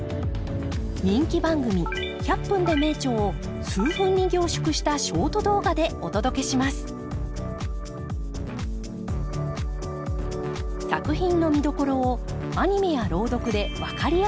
人気番組「１００分ｄｅ名著」を数分に凝縮したショート動画でお届けします作品の見どころをアニメや朗読で分かりやすくご紹介。